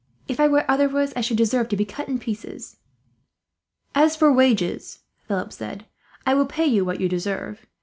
If I were otherwise, I should deserve to be cut in pieces." "As for wages," Philip said, "I will pay you what you deserve.